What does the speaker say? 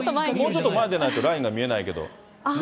もうちょっと前に出ないとラインが見えないけど。